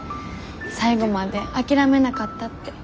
最後まで諦めなかったって。